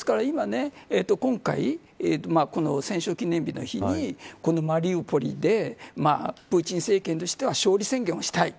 今回、戦勝記念日の日にマリウポリでプーチン政権としては勝利宣言をしたい。